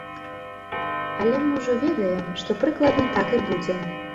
Але мы ўжо ведаем, што прыкладна так і будзе.